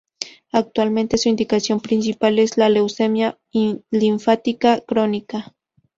Actualmente su indicación principal es la leucemia linfática crónica.